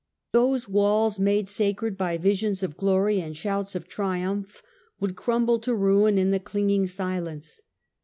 Those walls, made sacred by visions of glory and shouts of triumph, would crumble to ruin in the clinging silence.